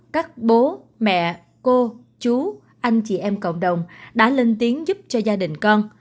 các bố mẹ cô chú anh chị em cộng đồng đã lên tiếng giúp cho gia đình con